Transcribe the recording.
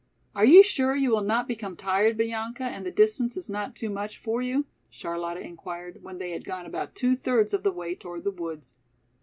"Are you sure you will not become tired, Bianca, and the distance is not too much for you?" Charlotta inquired, when they had gone about two thirds of the way toward the woods.